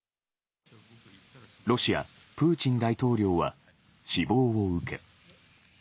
ロシア、プーチン大統領は、死亡を受け。